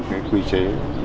cái quy chế